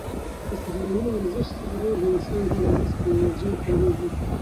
په سهارني ورزش سره د انسان ټوله ورځ په انرژۍ تېریږي.